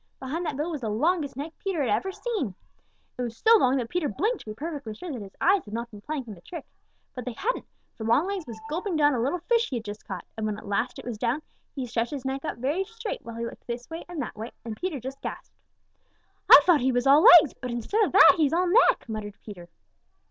Behind that bill was the longest neck Peter ever had seen! It was so long that Peter blinked to be perfectly sure that his eyes had not been playing him a trick. But they hadn't, for Longlegs was gulping down a little fish he had just caught, and when at last it was down, he stretched his neck up very straight while he looked this way and that way, and Peter just gasped. "I thought he was all legs, but instead of that he's all neck," muttered Peter.